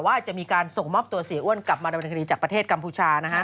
ว่าจะมีการส่งมอบตัวเสียอ้วนกลับมาดำเนินคดีจากประเทศกัมพูชานะฮะ